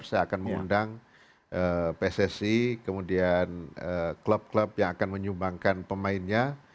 jadi saya akan mengundang pssi kemudian klub klub yang akan menyumbangkan pemainnya